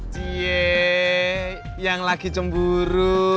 cie yang lagi cemburu